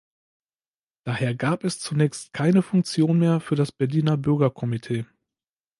Daher gab es zunächst keine Funktion mehr für das Berliner Bürgerkomitee.